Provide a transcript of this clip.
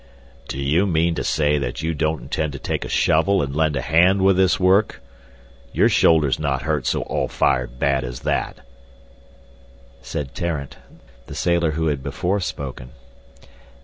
"Do you mean to say that you don't intend to take a shovel, and lend a hand with this work? Your shoulder's not hurt so all fired bad as that," said Tarrant, the sailor who had before spoken.